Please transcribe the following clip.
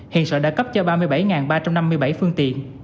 hiện sở đã cấp cho ba mươi bảy ba trăm năm mươi bảy phương tiện